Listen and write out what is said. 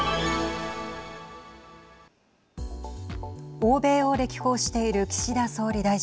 欧米を歴訪している岸田総理大臣。